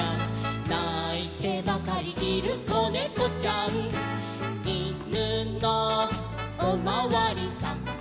「ないてばかりいるこねこちゃん」「いぬのおまわりさん」